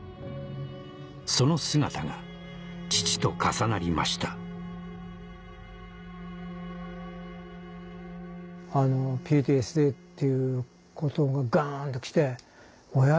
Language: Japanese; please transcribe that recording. その姿が父と重なりましたっていうことがガンときて。